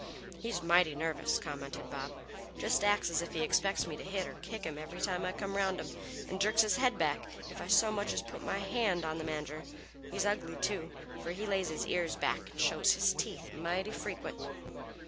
"He's mighty nervous!" commented Bob. "Jest acts as if he expected me to hit or kick him every time I come round him, 'nd jerks his head back if I so much as put my hand on the manger. He's ugly, too, fer he lays his ears back and shows his teeth mighty frequent."